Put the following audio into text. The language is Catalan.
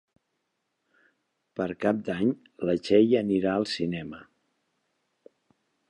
Per Cap d'Any na Txell anirà al cinema.